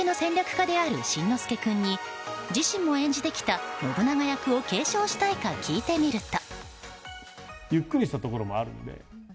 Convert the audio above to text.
家である新之助君に自身も演じてきた信長役を継承したいか聞いてみると。